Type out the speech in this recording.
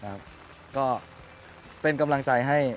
คุณต้องเป็นผู้งาน